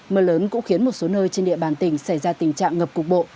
mưa lớn cũng khiến một số nơi trên địa bàn tỉnh xảy ra tình trạng ngập cục bộ